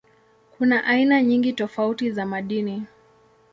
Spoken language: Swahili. Kuna aina nyingi tofauti za madini.